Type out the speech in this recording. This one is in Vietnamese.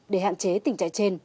để hạn chế tình trạng trên